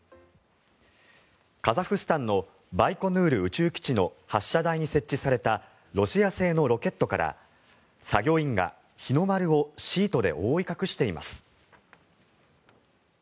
カザフスタンのバイコヌール宇宙基地の発射台に設置されたロシア製のロケットから作業員が日の丸をシートで覆い隠しています。